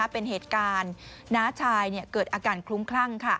เป็นเหตุการณ์น้าชายเกิดอาการคลุ้มคลั่ง